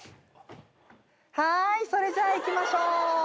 はーいそれじゃあいきましょう。